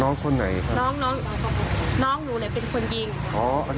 น้องคนไหนครับน้องน้องหนูเลยเป็นคนยิง